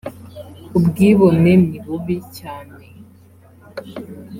ubwibone nibubi cyane